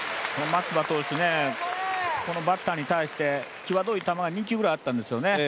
松葉投手、このバッターに対して、際どい球が２球くらいあったんですよね。